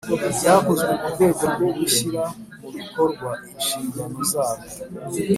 Byakozwe mu rwego rwo gushyira mu bikorwa inshingano zarwo.